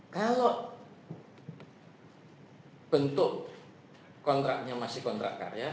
kalau bentuk kontraknya masih kontrak karya